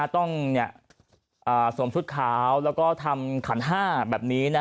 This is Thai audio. ต้องสวมชุดขาวแล้วก็ทำขันห้าแบบนี้